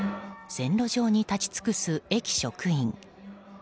線路上に立ち尽くす駅職員。